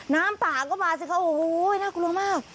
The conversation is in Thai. น้ำป่าก็มาสิคะโอ้โหน่ากลัวมาก